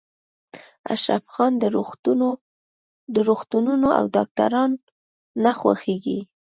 اشرف خان روغتونونه او ډاکټران نه خوښوي